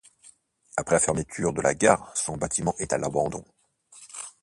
Après la fermeture de la gare, son bâtiment est à l'abandon.